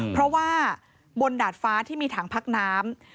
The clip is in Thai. เพราะว่าบนดาดฟ้าที่มีถังพักน้ำ